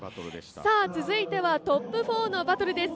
続いてはトップ４のバトルです。